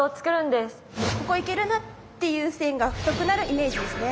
「ここいけるな！」っていう線が太くなるイメージですね。